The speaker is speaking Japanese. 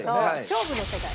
そう勝負の世界。